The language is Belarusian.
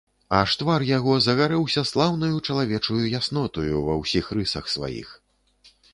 Аж твар яго загарэўся слаўнаю чалавечаю яснотаю ва ўсіх рысах сваіх.